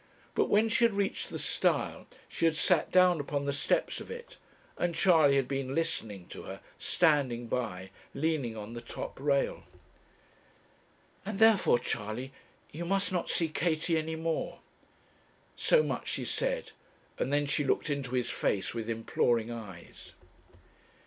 But when she had reached the stile, she had sat down upon the steps of it, and Charley had been listening to her, standing by, leaning on the top rail. 'And therefore, Charley, you must not see Katie any more.' So much she said, and then she looked into his face with imploring eyes.